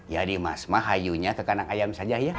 yadi mas mah hayunya ke kanak ayam saja ya